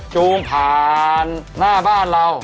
จูงผ่านหน้าบ้านเรา